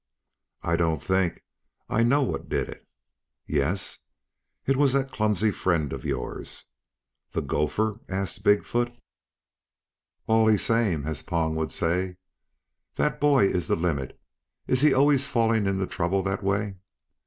"I don't think. I know what did it." "Yes?" "It was that clumsy friend of yours." "The gopher?" asked Big foot. "Allee same, as Pong would say. That boy is the limit. Is he always falling into trouble that way?"